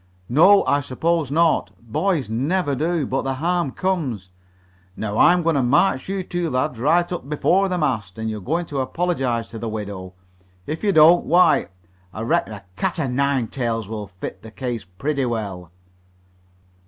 "No, I suppose not. Boys never do, but the harm comes. Now I'm going to march you two lads right up before the mast; and you're going to apologize to the widow. If you don't, why, I reckon a cat o' nine tails will fit the case pretty well."